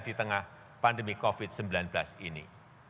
di tengah pandemi covid sembilan belas ini